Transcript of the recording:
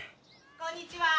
こんにちは！